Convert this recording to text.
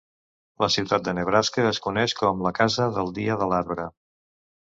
La ciutat de Nebraska es coneix com "la casa del dia de l'arbre".